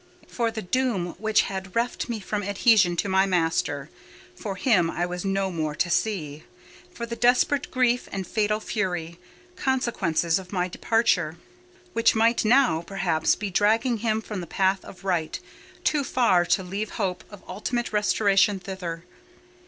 For the doom which had reft me from adhesion to my master: for him I was no more to see; for the desperate grief and fatal fury—consequences of my departure—which might now, perhaps, be dragging him from the path of right, too far to leave hope of ultimate restoration thither.